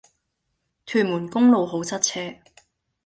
屯門公路好塞車